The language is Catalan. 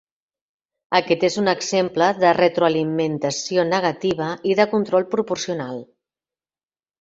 Aquest és un exemple de retroalimentació negativa i de control proporcional.